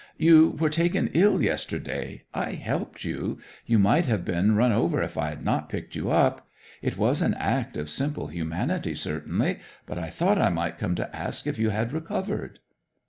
'"You were taken ill yesterday. I helped you. You might have been run over if I had not picked you up. It was an act of simple humanity certainly; but I thought I might come to ask if you had recovered?"